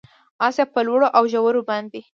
اس یې په لوړو اوژورو باندې،